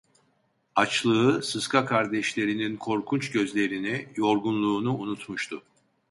Açlığı, sıska kardeşlerinin korkunç gözlerini, yorgunluğunu unutmuştu.